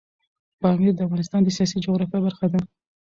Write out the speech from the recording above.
پامیر د افغانستان د سیاسي جغرافیه برخه ده.